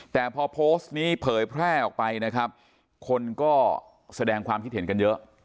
แต่พอโพสต์นี้เผยแพร่ออกไปนะครับคนก็แสดงความคิดเห็นกันเยอะ